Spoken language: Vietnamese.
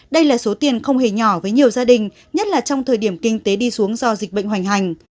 đây là số tiền không hề nhỏ với nhiều gia đình nhất là trong thời điểm kinh tế đi xuống do dịch bệnh hoành hành